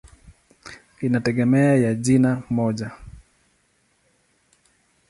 Inategemea ya jina moja.